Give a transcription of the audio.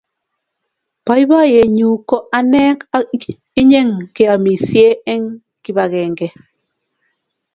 Boiboiyenyu ko ane ak inye keamisie eng kipakenge